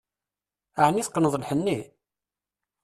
Ɛni teqqneḍ lḥenni?